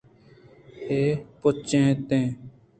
اےپُچ نہ اَت اَنت